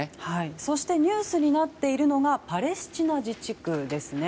そしてニュースになっているのがパレスチナ自治区ですね。